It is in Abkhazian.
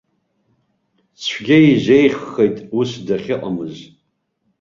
Цәгьа изеиӷьхеит ус дахьыҟамыз.